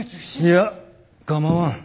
いや構わん。